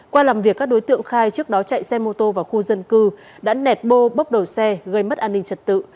qua làm việc các đối tượng khai trước đó chạy xe mô tô vào khu dân cư đã nẹt bô bóc đầu xe gây mất an ninh trật tự